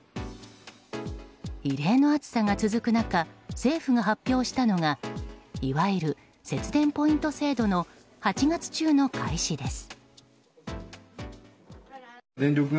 異例の暑さが続く中政府が発表したのがいわゆる節電ポイント制度の８月中の開始です。